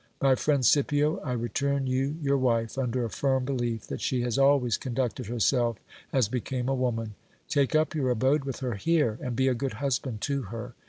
My friend Scipio, I return you your wife under a firm belief that she has always conducted herself as became a woman ; take up your abode with her here, and be a good husband to her.